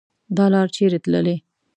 دا لار چیري تللي